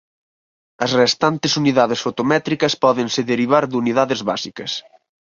As restantes unidades fotométricas pódense derivar de unidades básicas.